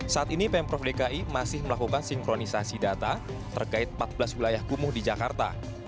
saat ini pemprov dki masih melakukan sinkronisasi data terkait empat belas wilayah kumuh di jakarta